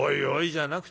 じゃなく